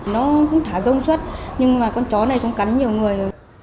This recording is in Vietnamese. nó cũng thả rông xuất nhưng mà con chó này cũng cắn nhiều người